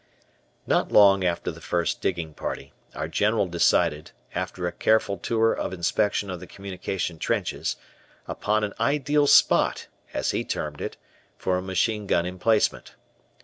Not long after the first digging party, our General decided, after a careful tour of inspection of the communication trenches, upon "an ideal spot," as he termed it, for a machine gun emplacement.